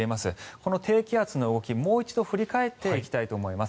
この低気圧の動きもう一度振り返っていきたいと思います。